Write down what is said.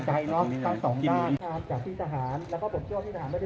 ใจเนาะสามสองบ้านจากที่สาหารแล้วคุณภูมิที่หลายไม่ได้